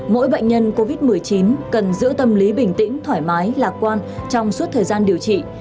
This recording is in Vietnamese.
mỗi bệnh nhân covid một mươi chín cần giữ tâm lý bình tĩnh thoải mái lạc quan trong suốt thời gian điều trị